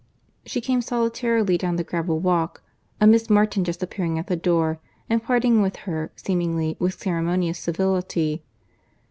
She came solitarily down the gravel walk—a Miss Martin just appearing at the door, and parting with her seemingly with ceremonious civility.